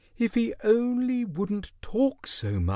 If he only wouldn't talk so much!"